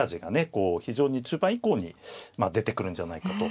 こう非常に中盤以降に出てくるんじゃないかと。